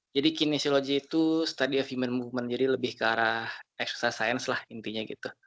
jadi kinesiologi itu study of human movement jadi lebih ke arah exercise science lah intinya gitu